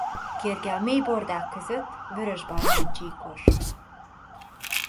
Kérge a mély bordák között vörösbarnán csíkos.